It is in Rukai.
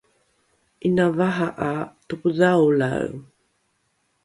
’ina vaha ’a topodhaolae